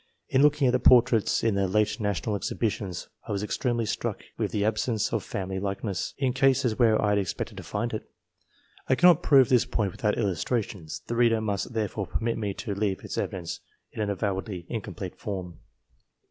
In looking at the portraits in the late National Exhibitions I was extremely struck Avith the absence of family likeness, in cases where I had expected to find it. I cannot prove this point without illustrations ; the reader must therefore permit me to leave its evidence in an avowedly incomplete form.